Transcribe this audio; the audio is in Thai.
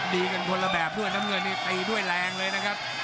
ดีกันคนละแบบเพื่อนน้ำเงินตีด้วยแรงเลยนะครับ